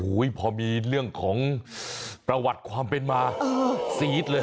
พอมีเรื่องของประวัติความเป็นมาซี๊ดเลย